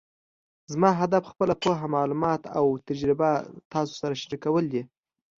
زما هدف خپله پوهه، معلومات او تجربه تاسو سره شریکول دي